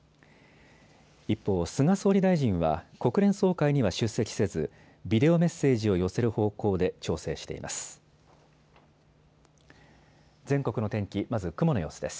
一方、菅総理大臣は国連総会には出席せず、ビデオメッセージを寄せる方向で調整しています。